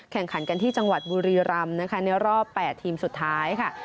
แข่งขันกันที่จังหวัดบุรีรำนะคะในรอบ๘ทีมสุดท้ายค่ะ